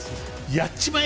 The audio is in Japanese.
「やっちまえ！！」